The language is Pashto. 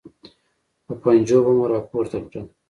په پنجو به مو راپورته کړل.